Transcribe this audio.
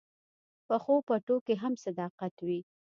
پخو پټو کې هم صداقت وي